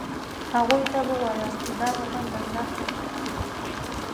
هغوی ته ووایاست چې دا وطن د الله نعمت دی.